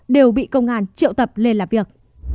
đều bị công an triệu tập lên làm việc